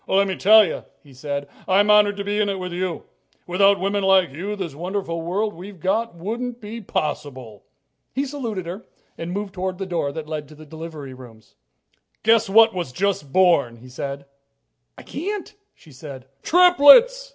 "Let me tell you," he said, "I'm honored to be in it with you. Without women like you, this wonderful world we've got wouldn't be possible." He saluted her and moved toward the door that led to the delivery rooms. "Guess what was just born," he said. "I can't," she said. "Triplets!"